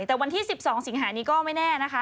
แต่วันที่๑๒สิงหานี้ก็ไม่แน่นะคะ